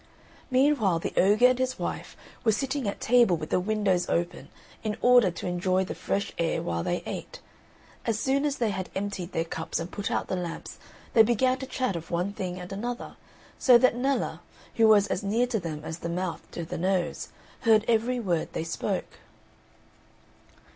Meanwhile the ogre and his wife were sitting at table with the windows open in order to enjoy the fresh air while they ate; as soon as they had emptied their cups and put out the lamps they began to chat of one thing and another, so that Nella, who was as near to them as the mouth to the nose, heard every word they spoke.